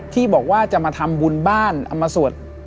ที่บอกว่าจะมาทำบุญบ้านเอามาสวด